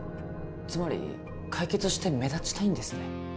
つまり解決して目立ちたいんですね